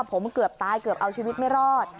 ผมเกือบตายเกือบเอาชีวิตไม่รอด